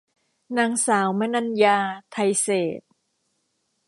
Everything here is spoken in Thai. นางสาวมนัญญา ไทยเศรษฐ์